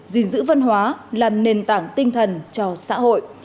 gìn giữ văn hóa làm nền tảng tinh thần cho xã hội